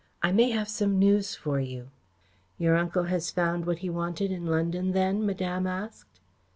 I may have some news for you." "Your uncle has found what he wanted in London then?" Madame asked.